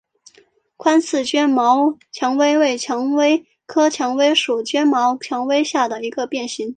宽刺绢毛蔷薇为蔷薇科蔷薇属绢毛蔷薇下的一个变型。